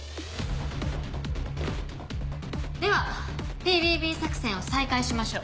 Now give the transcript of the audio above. ではＰＢＢ作戦を再開しましょう。